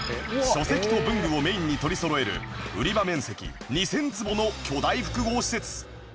書籍と文具をメインに取りそろえる売り場面積２０００坪の巨大複合施設